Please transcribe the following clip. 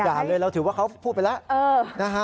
ด่วนเลยเราถือว่าเขาพูดไปแล้ว